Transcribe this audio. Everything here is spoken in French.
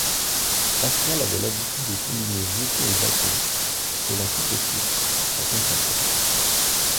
Pascal avait l'habitude de combiner jetons et bâtons, cela tout petit, raconte sa sœur.